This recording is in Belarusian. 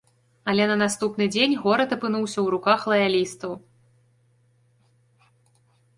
Але на наступны дзень горад апынуўся ў руках лаялістаў.